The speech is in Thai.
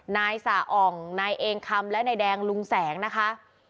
นายสะอ่องนายเองคำและนายแดงลุงแสงนะคะ